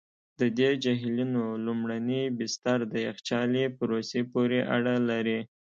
د دې جهیلونو لومړني بستر د یخچالي پروسې پورې اړه لري.